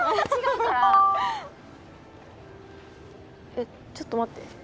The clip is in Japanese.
えちょっと待って。